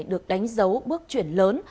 được đánh dấu bước chuyển lớn